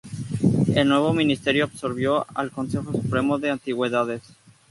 El nuevo ministerio absorbió al Consejo Supremo de Antigüedades.